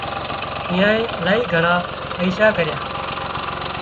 ايئنانئي الاهي گھڻا پئيشا ڪريا